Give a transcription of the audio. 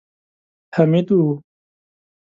حميد و.